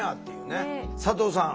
佐藤さん